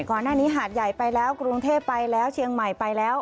ก่อนหน้านี้หาดใหญ่ไปแล้วกรุงเทพฯไปแล้วเชียงใหม่ไปแล้ว